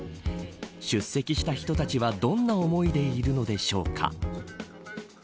出席した人たちはどんな思いでいるのでしょうか。